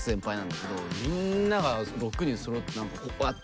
みんなが６人そろって何かこうやって。